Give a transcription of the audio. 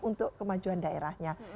untuk kemajuan daerahnya